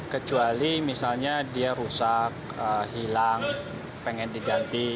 kecuali misalnya dia rusak hilang pengen diganti